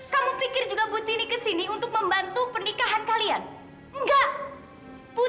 kamu juga merasa putini datang untuk membantu pernikahan kamu